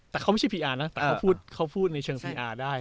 แต่เขาไม่ใช่พีอาร์นะแต่เขาพูดในเชิงพีอาร์ได้